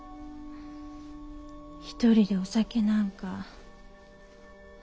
一人でお酒なんか。